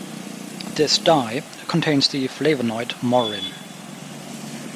This dye contains the flavonoid morin.